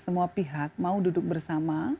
semua pihak mau duduk bersama